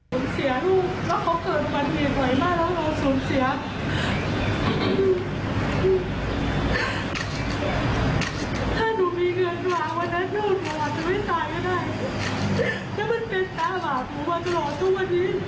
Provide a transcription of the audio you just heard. มันต้องพบลูกตลอดเวลา